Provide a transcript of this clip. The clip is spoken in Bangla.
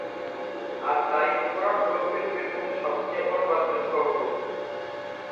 আর তাই কুরআন হলো পৃথিবীর বুকে সবচেয়ে অনুবাদ যোগ্য বই।